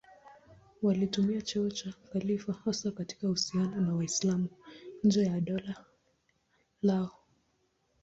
Walitumia cheo cha khalifa hasa katika uhusiano na Waislamu nje ya dola lao.